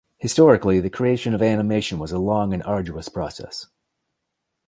Historically, the creation of animation was a long and arduous process.